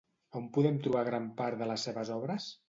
On podem trobar gran part de les seves obres?